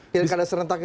pilkada serentak itu